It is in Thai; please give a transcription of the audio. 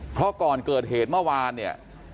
เพราะก่อนเกิดเหตุเมื่อวานเนี่ย